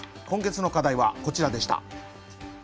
今月の課題はこちらでした。